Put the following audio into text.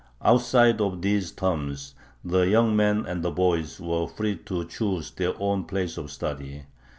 Outside of these terms the young men and the boys were free to choose their own place of study.